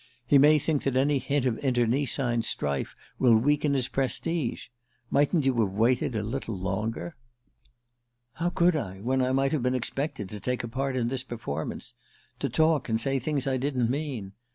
He may think that any hint of internecine strife will weaken his prestige. Mightn't you have waited a little longer?" "How could I, when I might have been expected to take a part in this performance? To talk, and say things I didn't mean?